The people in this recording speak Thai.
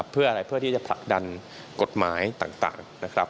เพื่ออะไรเพื่อที่จะผลักดันกฎหมายต่างนะครับ